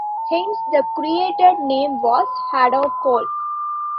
Hence the created name was Hadacol.